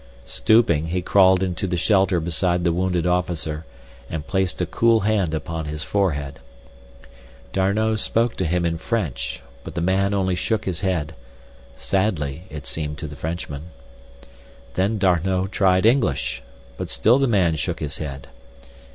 Stooping, he crawled into the shelter beside the wounded officer, and placed a cool hand upon his forehead. D'Arnot spoke to him in French, but the man only shook his head—sadly, it seemed to the Frenchman. Then D'Arnot tried English, but still the man shook his head.